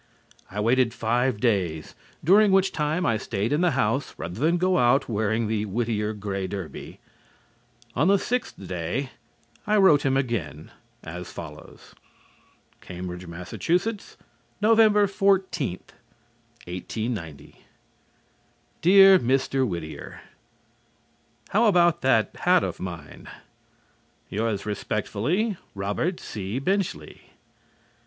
I waited five days, during which time I stayed in the house rather than go out wearing the Whittier gray derby. On the sixth day I wrote him again, as follows: Cambridge, Mass. Nov. 14, 1890. Dear Mr. Whittier: How about that hat of mine? Yours respectfully, ROBERT C. BENCHLEY.